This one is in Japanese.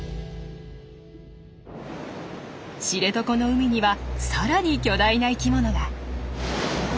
知床の海にはさらに巨大な生きものが。